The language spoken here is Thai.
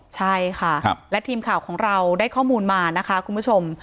ใช่ค่ะและทีมข่าวของเราได้ข้อมูลมานะคะคุณผู้ชม